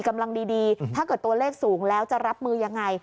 ถ้าเกิดตัวเลขสูงแล้วจะรับมือยังไง